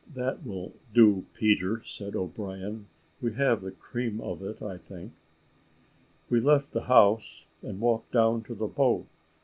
"That will do, Peter," said O'Brien; "we have the cream of it I think." We left the house and walked down to the boat.